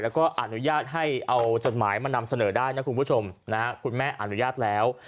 แล้วก็อนุญาตให้เอาจดหมายมานำเสนอได้นะคุณผู้ชมนะฮะคุณแม่อนุญาตแล้ว